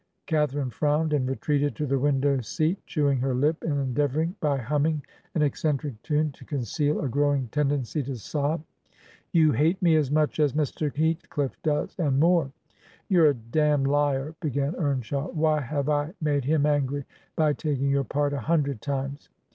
Catharine frowned, and retreated to the window seat, chewing her lip, and endeavoring, by humming an eccentric tune, to conceal a growing tendency to sob. ... 'You hate me, as much as Mr. Heathcliff does, and more.' 'You're a damned liar,' b^an Eamshaw. 'Why have I made him angry, by taking your part, a hundred times?